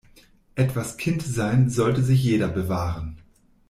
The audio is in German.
Etwas Kindsein sollte sich jeder bewahren.